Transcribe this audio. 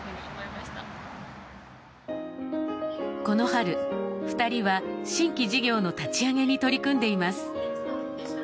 この春、２人は新規事業の立ち上げに取り組んでいます。